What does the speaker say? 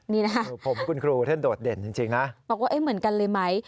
นี่นะคะผมคุณครูท่านโดดเด่นจริงนะบอกว่าเอ๊ะเหมือนกันเลยไหม